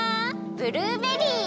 ブルーベリー！